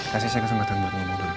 kasih saya kesempatan buat nyoba